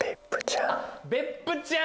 別府ちゃん